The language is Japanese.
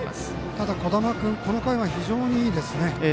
ただ、小玉君この回は非常にいいですね。